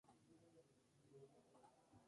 No resiste una intensa tala de su hábitat.